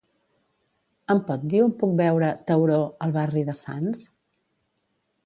Em pot dir on puc veure "Tauró" al barri de Sants?